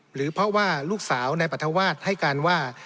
หรือเพราะว่าลูกสาวนายปรัฐวาสให้การว่า